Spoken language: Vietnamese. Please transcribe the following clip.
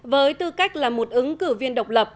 với tư cách là một ứng cử viên độc lập